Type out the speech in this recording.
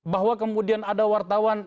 bahwa kemudian ada wartawan